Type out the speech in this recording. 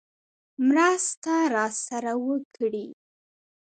مرسته راسره وکړي.